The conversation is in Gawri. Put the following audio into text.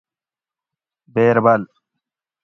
بیربل